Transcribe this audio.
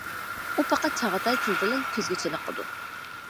ئۇ پەقەت چاغاتاي تىلىدىلا كۆزگە چېلىقىدۇ.